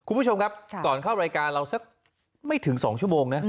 คุณผู้ชมครับก่อนเข้ารายการเราสักไม่ถึง๒ชั่วโมงนะ